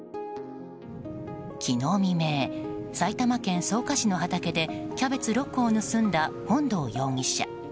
昨日未明、埼玉県草加市の畑でキャベツ６個を盗んだ本堂容疑者。